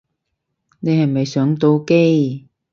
你係咪上到機